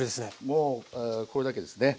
もうこれだけですね。